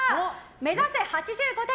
目指せ８５点！